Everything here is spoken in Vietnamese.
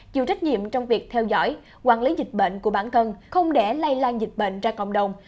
chịu trách nhiệm trong việc theo dõi quản lý dịch bệnh của bản thân không để lây lan dịch bệnh ra cộng đồng